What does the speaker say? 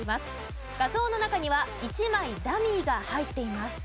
画像の中には１枚ダミーが入っています。